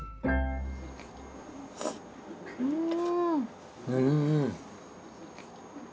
うん！